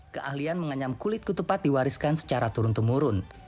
keahlian menganyam kulit ketupat diwariskan secara turun temurun